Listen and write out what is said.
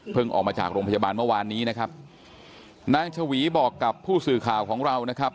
ออกมาจากโรงพยาบาลเมื่อวานนี้นะครับนางชวีบอกกับผู้สื่อข่าวของเรานะครับ